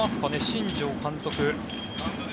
新庄監督